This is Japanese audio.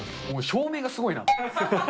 照明がすごいな。